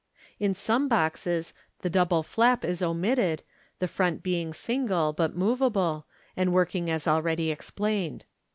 In some boxes the double flap is omitted, the front being single, but moveable, and working as already explained.